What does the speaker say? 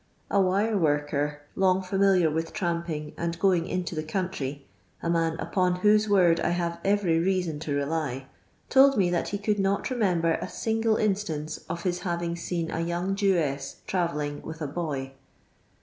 A wire worker, .' long familiar with tramping and going into the J country — a man upon whose word I have every reason to rely — told me that he could not remember a single instance of his having seen a yoimg Jewess " travelling" with a bor.